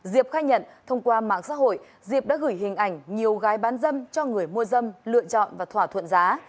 diệp khai nhận thông qua mạng xã hội diệp đã gửi hình ảnh nhiều gái bán dâm cho người mua dâm lựa chọn và thỏa thuận giá